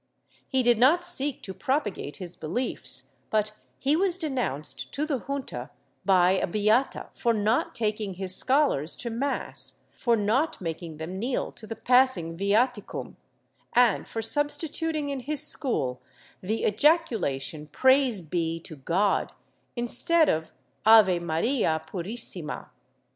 He did not seek to propagate his beliefs, but he was denounced to the Junta by a beata for not taking his scholars to mass, for not making them kneel to tlie passing viaticum, and for substituting in his school the ejaculation ''Praise be to God" instead of "Ave Maria purissima."